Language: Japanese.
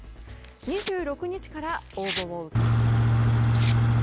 ２６日から応募を受け付けます。